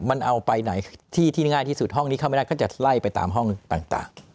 มันเอาไปไหนที่ที่ง่ายที่สุดห้องนี้เข้าไม่ได้ก็จะไล่ไปตามห้องต่าง